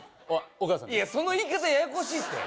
お母さんいやその言い方ややこしいって